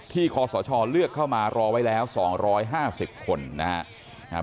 คอสชเลือกเข้ามารอไว้แล้ว๒๕๐คนนะครับ